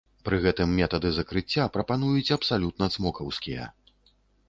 Пры гэтым метады закрыцця прапануюць абсалютна цмокаўскія.